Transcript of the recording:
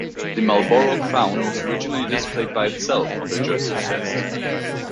The Marlborough crown was originally displayed by itself on the jersey chest.